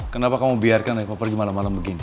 kenapa kamu biarkan aku pergi malam malam begini